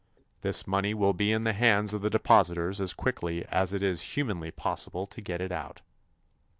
This money will be in the hands of the depositors as quickly as it is humanly possible to get it out.